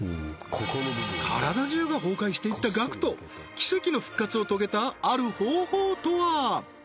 体中が崩壊していったＧＡＣＫＴ奇跡の復活を遂げたある方法とは？